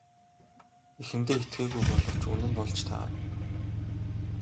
Эхэндээ итгээгүй боловч үнэн болж таарав.